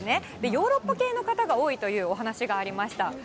ヨーロッパ系の方が多いというお話がありました。